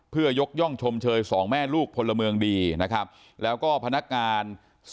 เพื่อยกย่องชมเชย๒แม่ลูกพลเมืองดีนะครับแล้วก็พนักงาน